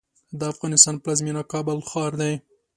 د افغانستان پلازمېنه کابل ښار دی.